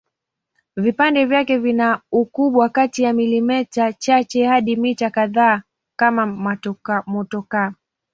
Vipande vyake vina ukubwa kati ya milimita chache hadi mita kadhaa kama motokaa.